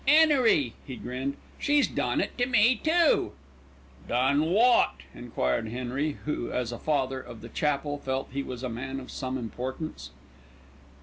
"'Enery," he grinned, "she's done it to me too." "Done wot?" enquired Henry, who, as a Father of the Chapel, felt he was a man of some importance.